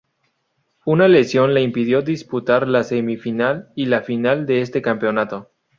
Una lesión le impidió disputar la semi-final y la final de este campeonato.